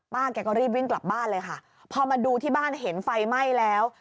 แกก็รีบวิ่งกลับบ้านเลยค่ะพอมาดูที่บ้านเห็นไฟไหม้แล้ว